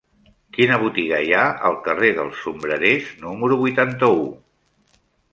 Quina botiga hi ha al carrer dels Sombrerers número vuitanta-u?